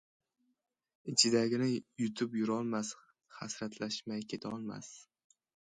Ichidagini yutib yurolmas, hasratlashmay ketolmas!